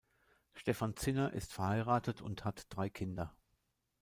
Stephan Zinner ist verheiratet und hat drei Kinder.